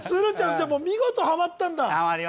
じゃあもう見事ハマったんだ